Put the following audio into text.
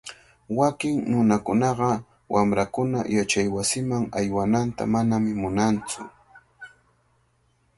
Wakin nunakunaqa wamrankuna yachaywasiman aywananta manami munantsu.